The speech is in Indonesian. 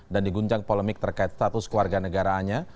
diguncang polemik terkait status keluarga negaraannya